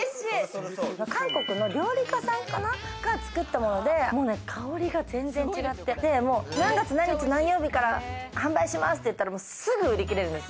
韓国の料理家さんが作ったもので、香りが全然違ってて、何月何日何曜日から販売しますって言ったら、すぐ売り切れるんです。